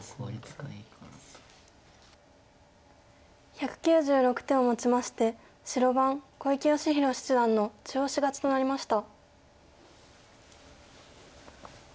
１９６手をもちまして白番小池芳弘七段の中押し勝ちとなりました。